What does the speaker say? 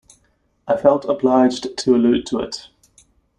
I felt obliged to allude to it.